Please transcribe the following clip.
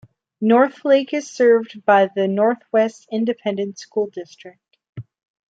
Northlake is served by the Northwest Independent School District.